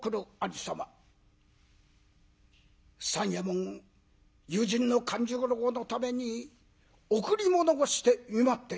三右衛門友人の勘十郎のために贈り物をして見舞っています。